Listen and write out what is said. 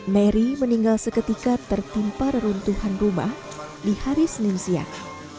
mary meninggal seketika tertimpa reruntuhan rumah di hari senin siang